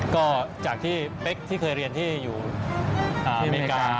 ก็จากที่เป๊กที่เคยเรียนที่อยู่อเมริกา